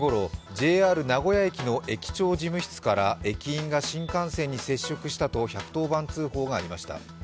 ＪＲ名古屋駅の駅長事務室から駅員が新幹線に接触したと１１０番通報がありました。